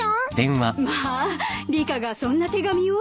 まあリカがそんな手紙を？